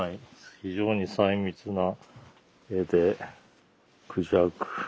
非常に細密な絵でクジャク。